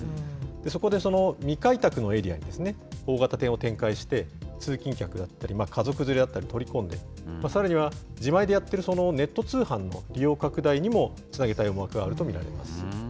そこで未開拓のエリアに大型店を展開して、通勤客だったり、家族連れだったりを取り込んで、さらには、自前でやっているネット通販の利用拡大にもつなげたい思惑があると見られます。